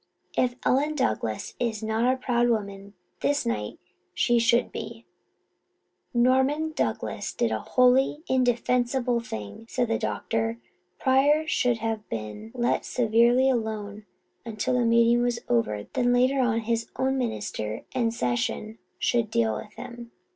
"If Ellen Douglas is not a proud woman this night she should be." "Norman Douglas did a wholly indefensible thing," said the doctor. "Pryor should have been let severely alone until the meeting was over. Then later on, his own minister and session should deal with him.